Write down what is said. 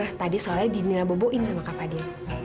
tidur tadi soalnya dini naboboin sama kak fadil